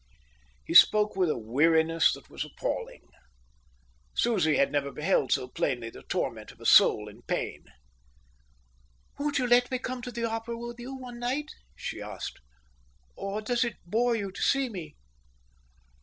He spoke with a weariness that was appalling. Susie had never beheld so plainly the torment of a soul in pain. "Won't you let me come to the opera with you one night?" she asked. "Or does it bore you to see me?"